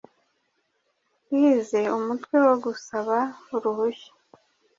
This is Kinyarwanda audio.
yize umutwe wo gusaba uruhushya